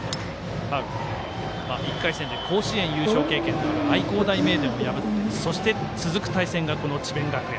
１回戦で甲子園優勝経験のある愛工大名電を破って、続く対戦がこの智弁学園。